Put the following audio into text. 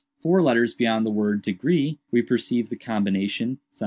"Four letters beyond the word 'degree,' we perceive the combination ;46(;88.